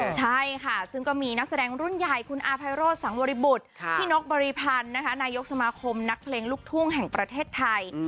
ใช่ค่ะซึ่งก็มีนักแสดงรุ่นใหญ่คุณอาภัยโรธสังวริบุตรพี่นกบริพันธ์นายกสมาคมนักเพลงลูกทุ่งแห่งประเทศไทย